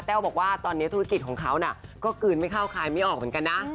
แววบอกว่าตอนนี้ธุรกิจของเขาก็กลืนไม่เข้าคลายไม่ออกเหมือนกันนะ